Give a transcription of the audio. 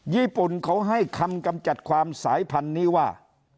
ญี่ปุ่นเขาให้คำกำจัดความสายพันธุ์นี้ว่า